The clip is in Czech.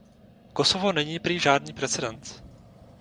Kosovo není prý žádný precedent.